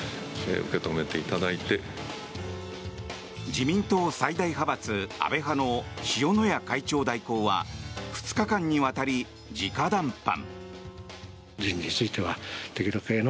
自民党最大派閥・安倍派の塩谷会長代行は２日間にわたり直談判。